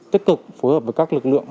tích cực phối hợp với các lực lượng